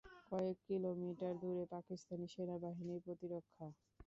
কয়েক কিলোমিটার দূরে পাকিস্তানি সেনাবাহিনীর প্রতিরক্ষা।